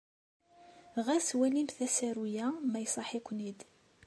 Ɣas walimt asaru-a ma iṣaḥ-ikent-id.